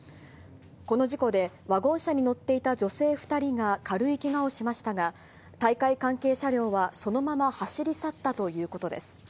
この事故で、ワゴン車に乗っていた女性２人が軽いけがをしましたが、大会関係車両はそのまま走り去ったということです。